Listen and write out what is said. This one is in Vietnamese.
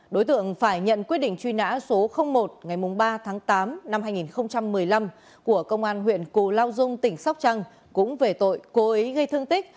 đối tượng phải nhận quyết định truy nã số một ngày ba tháng tám năm hai nghìn một mươi năm của công an huyện cù lao dung tỉnh sóc trăng cũng về tội cố ý gây thương tích